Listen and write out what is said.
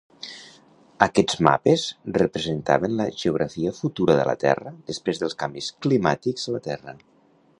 Aquests mapes representaven la geografia futura de la Terra després dels canvis climàtics a la Terra.